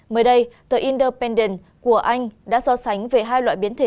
mới đây tờ independent của anh đã so sánh về hai loại biến thể